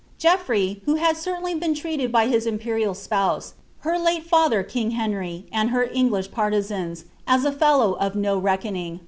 Geoffrey, who had certainly been treated by hts imp*' rial spouse, her late father king Henry, and her English partisan*, u '* fcllow of no reckoning."